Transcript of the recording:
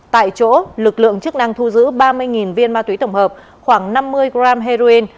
tại chỗ lực lượng chức năng thu giữ ba mươi viên ma túy tổng hợp khoảng năm mươi g heroin